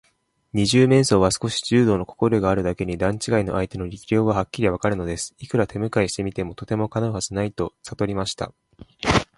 二十面相は少し柔道のこころえがあるだけに、段ちがいの相手の力量がはっきりわかるのです。いくら手むかいしてみても、とてもかなうはずはないとさとりました。